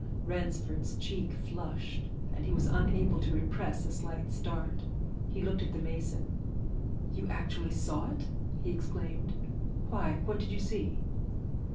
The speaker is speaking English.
Ransford's cheek flushed, and he was unable to repress a slight start. He looked at the mason. "You actually saw it!" he exclaimed. "Why, what did you see?"